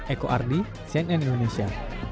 eko ardi cnn indonesia